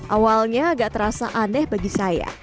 awalnya agak terasa aneh bagi saya